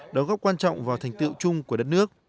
đóng góp quan trọng vào thành tựu chung của đất nước